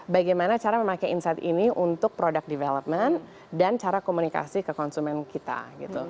bagaimana cara memakai insight ini untuk product development dan cara komunikasi ke konsumen kita gitu